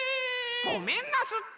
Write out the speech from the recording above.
ごめんなすって！